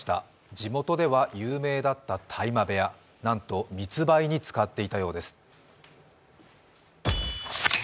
地元では有名だった大麻部屋、なんと密売に使っていたようです。